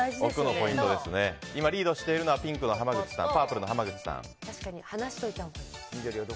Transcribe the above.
今、リードしているのはパープルの濱口さん。